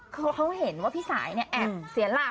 คือเขาเห็นว่าพี่สายเนี่ยแอบเสียหลัก